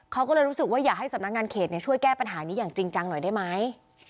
เขาก็เลยรู้สึกว่าอยากให้สำนักงานเขตช่วยแก้ปัญหานี้อย่างจริงจังหน่อยได้ไหม